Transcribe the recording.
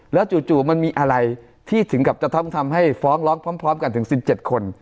แล้วจู่มันมีอะไรที่ถึงกับจะต้องทำให้ฟ้องร้องพร้อมกันถึง๑๗คน